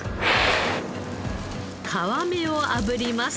皮目をあぶります。